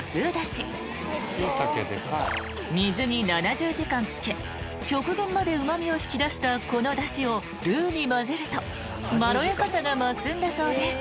［水に７０時間漬け極限までうま味を引き出したこのだしをルーに混ぜるとまろやかさが増すんだそうです］